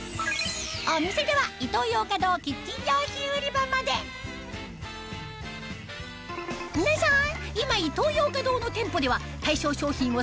お店では皆さん！